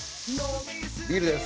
ビールです。